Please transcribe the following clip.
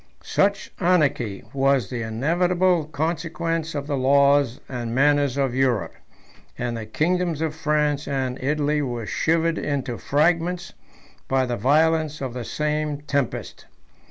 Such anarchy was the inevitable consequence of the laws and manners of Europe; and the kingdoms of France and Italy were shivered into fragments by the violence of the same tempest.